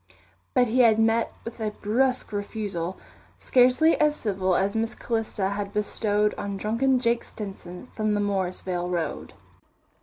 But he had met with a brusque refusal, scarcely as civil as Miss Calista had bestowed on drunken Jake Stinson from the Morrisvale Road.